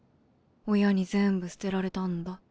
親に全部捨てられたんだ。